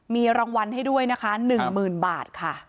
มีรางวัลให้ด้วยนะคะ๑๐๐๐บาทค่ะ